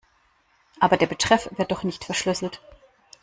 Aber der Betreff wird doch nicht verschlüsselt.